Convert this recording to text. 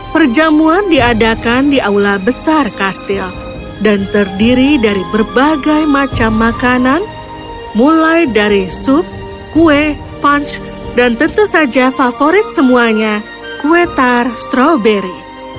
perjamuan diadakan di aula besar kastil dan terdiri dari berbagai macam makanan mulai dari sup kue punch dan tentu saja favorit semuanya kue tar strawberry